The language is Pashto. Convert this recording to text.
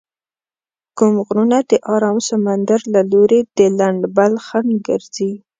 کوم غرونه د ارام سمندر له لوري د لندبل خنډ ګرځي؟